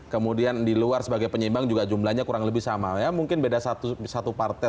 kemudian di luar sebagai penyeimbang juga jumlahnya kurang lebih sama ya mungkin beda satu partai